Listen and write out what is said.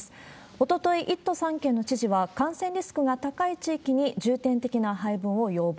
おととい、１都３県の知事は、感染リスクが高い地域に重点的な配分を要望。